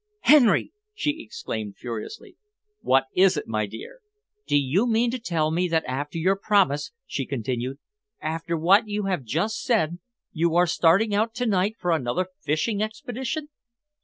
"Henry!" she exclaimed furiously. "What is it, my dear?" "Do you mean to tell me that after your promise," she continued, "after what you have just said, you are starting out to night for another fishing expedition?"